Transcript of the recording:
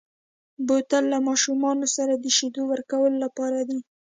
بوتل له ماشومو سره د شیدو ورکولو لپاره دی.